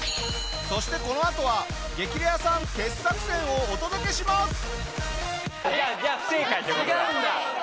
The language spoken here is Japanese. そしてこのあとは『激レアさん』傑作選をお届けします！